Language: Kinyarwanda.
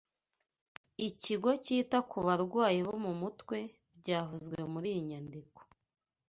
ikigo cyita ku barwayi bo mu mutwe byavuzwe muri iyi nyandiko